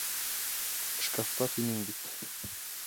Шкафта, тинең бит.